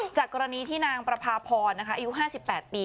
จากกรณีที่นางประพาพรอายุ๕๘ปี